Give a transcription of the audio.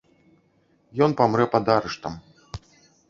Ён памрэ пад арыштам.